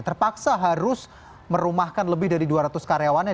terpaksa harus merumahkan lebih dari dua ratus karyawannya